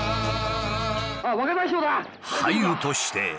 俳優として。